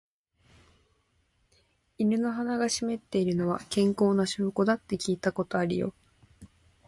犬の鼻が湿っているのは、健康な証拠だって聞いたことあるよ。